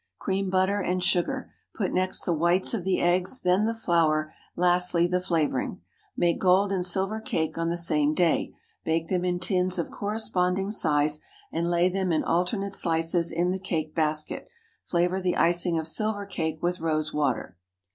Cream butter and sugar; put next the whites of the eggs; then the flour, lastly the flavoring. Make gold and silver cake on the same day; bake them in tins of corresponding size, and lay them in alternate slices in the cake basket. Flavor the icing of silver cake with rose water.